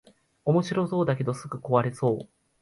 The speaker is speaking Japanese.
おもしろそうだけどすぐ壊れそう